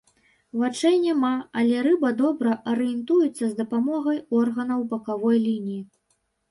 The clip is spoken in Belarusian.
Вачэй няма, але рыба добра арыентуецца з дапамогай органаў бакавой лініі.